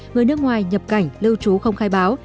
người nước ngoài nhập cảnh lưu trú không khai báo